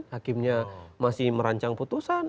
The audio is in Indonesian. hakimnya masih merancang putusan